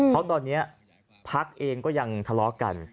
เพราะตอนนี้พักเองก็ยังทะเลาะกัน